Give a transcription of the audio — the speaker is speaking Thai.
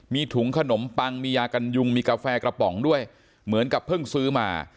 มีถุงขนมปังมียากันยุงมีกาแฟกระป๋องด้วยเหมือนกับเพิ่งซื้อมา